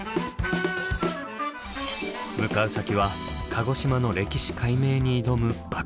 向かう先は鹿児島の歴史解明に挑むバックヤード。